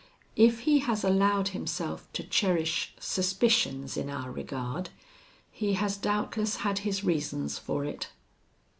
"If he has allowed himself to cherish suspicions in our regard, he has doubtless had his reasons for it."